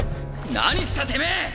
何した⁉てめぇ。